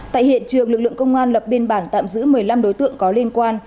tại hiện trường lực lượng công an lập biên bản tạm giữ một mươi năm đối tượng có liên quan